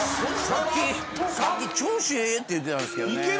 さっき調子ええって言ってたんですけどね。